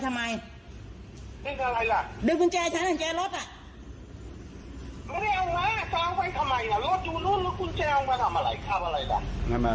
รถอยู่นู่นแล้วกุญแจเอาไปทำอะไร